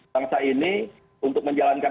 bangsa ini untuk menjalankan